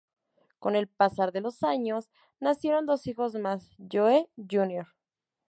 Con el pasar de los años nacieron dos hijos más: Joe jr.